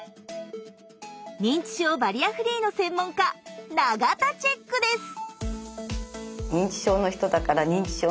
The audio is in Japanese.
認知症バリアフリーの専門家永田チェックです！